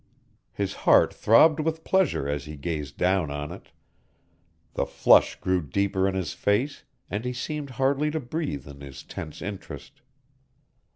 His heart throbbed with pleasure as he gazed down on it, the flush grew deeper in his face, and he seemed hardly to breathe in his tense interest.